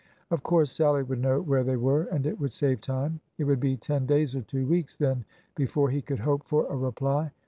Of course Sallie would know where they were, and it would save time. It would be ten days or two weeks then before he could hope for a reply.